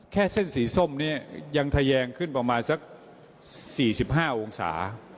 เส้นสีส้มเนี่ยยังทะแยงขึ้นประมาณสัก๔๕องศา